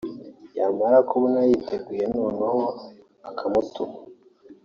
yamara kubona yiteguye noneho akamutuma